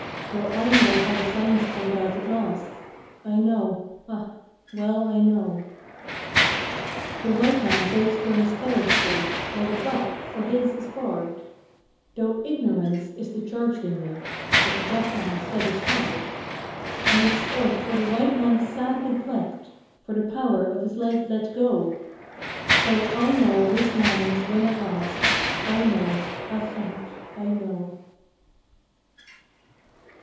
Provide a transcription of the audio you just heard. Well I know how the signs point out at last, I know; ah, well I know! The white man votes for his color's sake, While the black, for his is barred; (Though "ignorance" is the charge they make), But the black man studies hard. And it's, oh, for the white man's sad neglect, For the power of his light let go! So, I know which man must win at last, I know! Ah, Friend, I know!